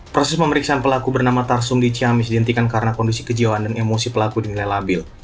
proses pemeriksaan pelaku bernama tarsum di ciamis dihentikan karena kondisi kejiwaan dan emosi pelaku dinilai labil